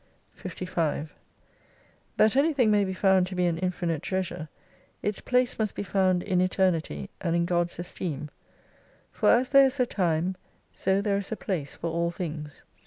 55 That anything may be found to be an infinite treasure, its place must be found in Eternity and in God's esteem. For as there is a time, so there is a place for all things.